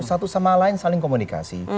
satu sama lain saling komunikasi